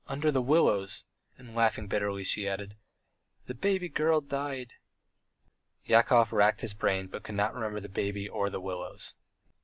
. under the willows," and laughing bitterly, she added: "The baby girl died." Yakov racked his memory, but could not remember the baby or the willows.